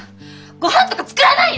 ごはんとか作らない！